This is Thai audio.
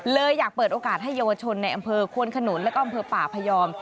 เลยอยากเปิดโอกาสให้เยาวชนในอำเภอควนขนุนแล้วก็อำเภอป่าพยอม